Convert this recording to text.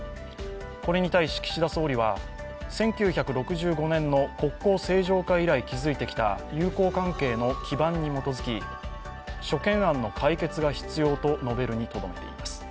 これに対し岸田総理は１９６５年の国交正常化以来築いてきた友好関係の基盤に基づき、諸懸案の解決が必要と述べるにとどめています。